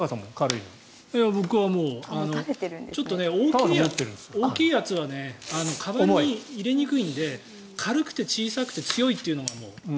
僕は、大きいやつはかばんに入れにくいので軽くて小さくて強いというのが。